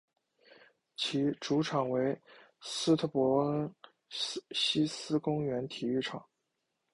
其主场为斯特伯恩希思公园体育场。